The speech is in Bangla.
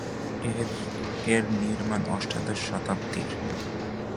এর নির্মাণ অষ্টাদশ শতাব্দীর।